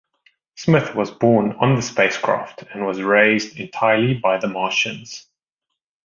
Smith was born on the spacecraft and was raised entirely by the Martians.